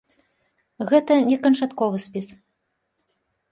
Гэта не канчатковы спіс.